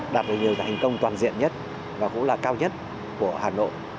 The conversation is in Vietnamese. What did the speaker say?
đạt được nhiều hành công toàn diện nhất và cũng là cao nhất của hà nội